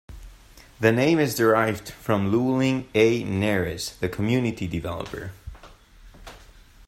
The name is derived from Llewellyn A. Nares, the community developer.